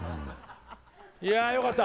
いやよかった。